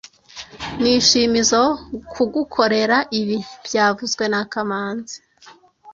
Nishimizoe kugukorera ibi byavuzwe na kamanzi